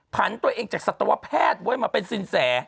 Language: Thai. ผันตัวเองจากสัตวแพทย์ไว้มาเป็นสินแส